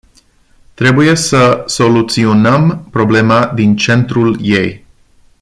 Trebuie să soluționăm problema din centrul ei.